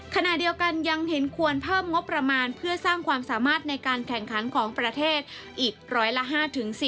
ขณะเดียวกันยังเห็นควรเพิ่มงบประมาณเพื่อสร้างความสามารถในการแข่งขันของประเทศอีกร้อยละ๕๔๐